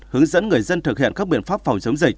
hướng dẫn người dân thực hiện các biện pháp phòng chống dịch